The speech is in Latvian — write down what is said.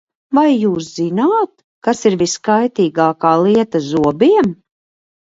Vai jūs zināt, kas ir viskaitīgākā lieta zobiem?